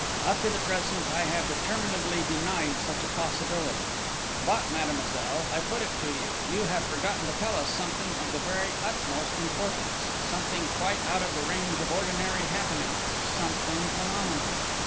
Up to the present, I have determinedly denied such a possibility. But, mademoiselle, I put it to you: you have forgotten to tell us something of the very utmost importance, something quite out of the range of ordinary happenings, something phenomenal.